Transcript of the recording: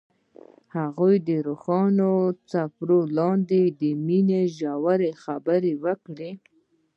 هغوی د روښانه څپو لاندې د مینې ژورې خبرې وکړې.